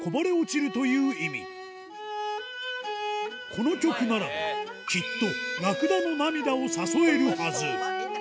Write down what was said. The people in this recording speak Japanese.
この曲ならきっと